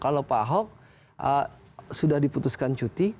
kalau pak ahok sudah diputuskan cuti